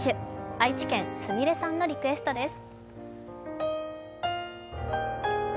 愛知県、スミレさんのリクエストです。